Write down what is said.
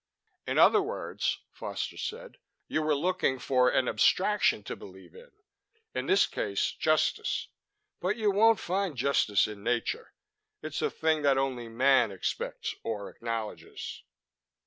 "In other words," Foster said, "you were looking for an abstraction to believe in in this case, Justice. But you won't find justice in nature. It's a thing that only man expects or acknowledges."